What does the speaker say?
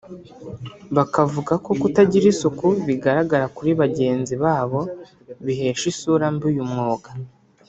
bakavuga ko kutagira isuku bigaragara kuri bagenzi babo bihesha isura mbi uyu mwuga